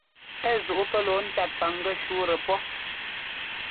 Ɛ zuʼu pɛ́ lɔɔ ńtat paŋgɛ́ shǔtɛ pɔ́.